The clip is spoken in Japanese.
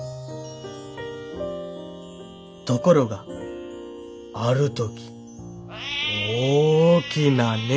「ところがある時大きな猫が」。